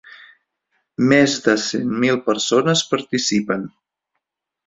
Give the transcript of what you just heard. Més de cent mil persones participen.